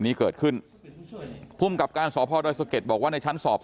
นี้เกิดขึ้นภูมิกับการสพดอยสะเก็ดบอกว่าในชั้นสอบ